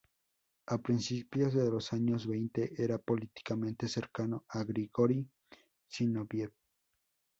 A principio de los años veinte era políticamente cercano a Grigori Zinóviev.